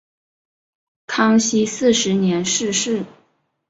康熙四十年逝世。